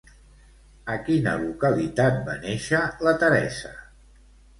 A quina localitat va néixer la Teresa?